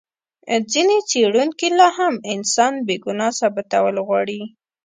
ځینې څېړونکي لا هم انسان بې ګناه ثابتول غواړي.